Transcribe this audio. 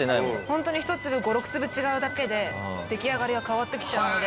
ホントに１粒５６粒違うだけで出来上がりが変わってきちゃうので。